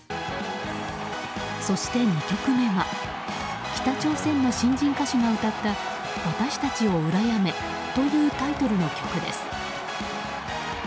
そして２曲目が北朝鮮の新人歌手が歌った「私たちを羨め」というタイトルの曲です。